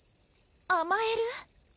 あまえる？